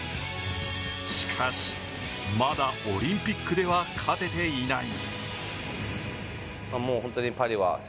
しかし、まだオリンピックでは勝てていない。